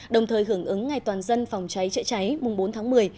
đồng thời hưởng ứng ngày toàn dân phòng cháy chữa cháy mùng bốn tháng một mươi